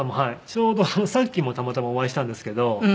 ちょうどさっきもたまたまお会いしたんですけど。